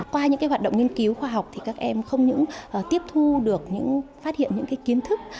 qua những hoạt động nghiên cứu khoa học thì các em không những tiếp thu được những phát hiện những kiến thức